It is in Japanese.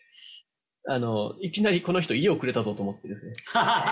いきなりこの人家をくれたぞと思ってですね。